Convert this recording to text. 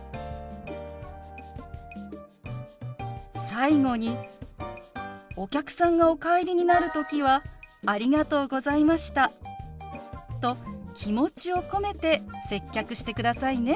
最後にお客さんがお帰りになる時は「ありがとうございました」と気持ちを込めて接客してくださいね。